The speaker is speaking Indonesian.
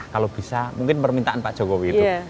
kalau bisa mungkin permintaan pak jokowi itu